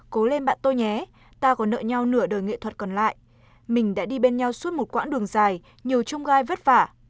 cố lên bạn tôi nhé ta còn nợ nhau nửa đời nghệ thuật còn lại mình đã đi bên nhau suốt một quãng đường dài nhiều trung gai vất vả